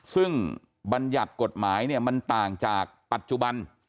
ซึ่งบัญญัติกฎหมายเนี่ยมันต่างจากปัจจุบัน